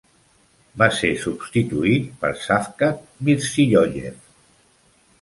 Va ser substituït per Shavkat Mirziyoyev.